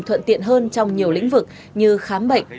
thuận tiện hơn trong nhiều lĩnh vực như khám bệnh